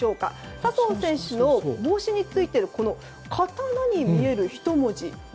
笹生選手の帽子についている「刀」に見える、ひと文字。